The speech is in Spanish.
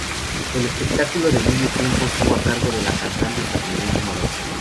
El espectáculo de medio tiempo estuvo a cargo de la cantante estadounidense Madonna.